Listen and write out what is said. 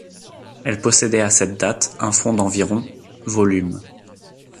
Elle possédait à cette date un fonds d'environ volumes.